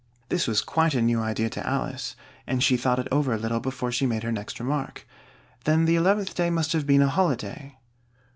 This was quite a new idea to Alice, and she thought it over a little before she made her next remark. "Then the eleventh day must have been a holiday?"